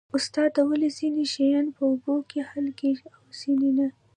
استاده ولې ځینې شیان په اوبو کې حل کیږي او ځینې نه